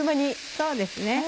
そうですね。